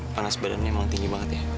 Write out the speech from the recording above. panas badannya emang tinggi banget ya